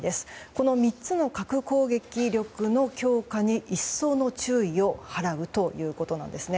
この３つの核攻撃力の強化に一層の注意を払うということなんですね。